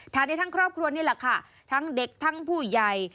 ได้ทั้งครอบครัวนี่แหละค่ะทั้งเด็กทั้งผู้ใหญ่